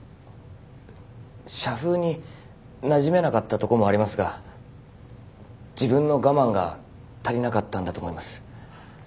社風になじめなかったとこもありますが自分の我慢が足りなかったんだと思います。